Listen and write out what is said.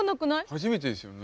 初めてですよね。